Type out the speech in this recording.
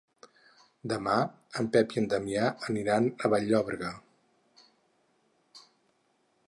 Demà en Pep i en Damià aniran a Vall-llobrega.